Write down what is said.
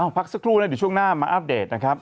พักสักครู่นะเดี๋ยวช่วงหน้ามาอัปเดตนะครับ